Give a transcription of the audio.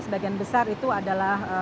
sebagian besar itu adalah